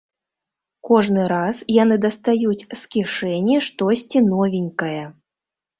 Кожны раз яны дастаюць з кішэні штосьці новенькае.